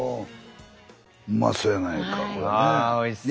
うまそやないかこれね。